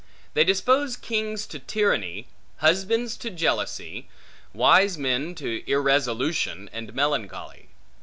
They dispose kings to tyranny, husbands to jealousy, wise men to irresolution and melancholy.